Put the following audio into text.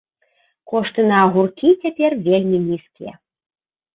Кошты на агуркі цяпер вельмі нізкія.